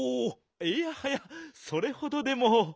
いやはやそれほどでも。